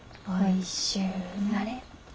おいしゅうなれ。